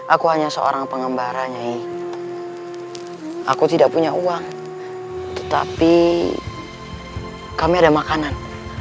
aku hanya seorang pengembaranya aku tidak punya uang tetapi kami ada makanan